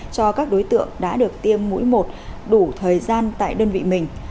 cho các đối tượng đã được tiêm mũi một đủ thời gian tại đơn vị mình